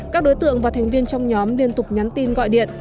các đối tượng và thành viên trong nhóm liên tục nhắn tin gọi điện